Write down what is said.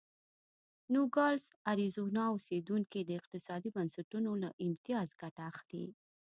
نوګالس اریزونا اوسېدونکي د اقتصادي بنسټونو له امتیاز ګټه اخلي.